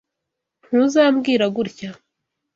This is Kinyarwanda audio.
Ntuzambwira gutya.